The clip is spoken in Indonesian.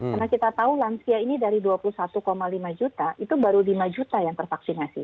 karena kita tahu lansia ini dari dua puluh satu lima juta itu baru lima juta yang tervaksinasi